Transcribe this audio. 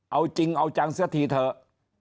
เอาจริงเอาจังเสียทีเถอะ